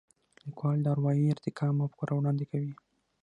لیکوال د اروايي ارتقا مفکوره وړاندې کوي.